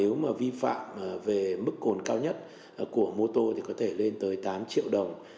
nếu mà vi phạm về mức cồn cao nhất của mô tô thì có thể lên tới tám triệu đồng